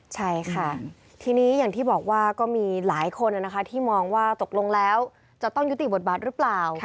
ใช่ค่ะทีนี้อย่างที่บอกว่าก็มีหลายคนที่มองว่าตกลงแล้วจะต้องยุติบทบาทหรือเปล่า